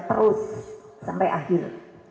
terus sampai akhir